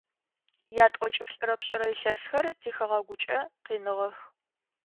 Ятӏокӏиплӏырэ пшӏырэ илъэсхэр тихэгъэгукӏэ къиныгъэх.